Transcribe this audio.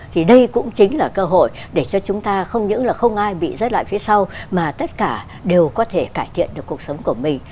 thì đây cũng chính là cơ hội để cho chúng ta không những là không ai bị rớt lại phía sau mà tất cả đều có thể cải thiện được cuộc sống của mình